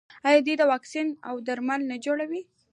آیا دوی واکسین او درمل نه جوړوي؟